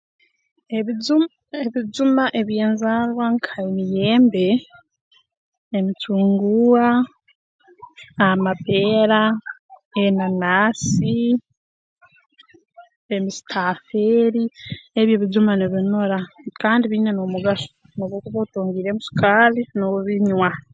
Ebijum ebijuma eby'enzaarwa nk'emiyembe emicunguuwa amapeera enanaasi emistafeeri ebi ebijuma nibinura kandi biine n'omugaso noobu okuba otongiiremu sukaali noobinywa